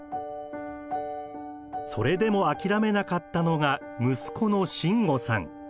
それでも諦めなかったのが息子の真吾さん。